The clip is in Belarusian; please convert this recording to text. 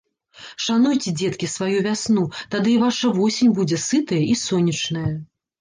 Шануйце, дзеткі, сваю вясну, тады і ваша восень будзе сытая і сонечная.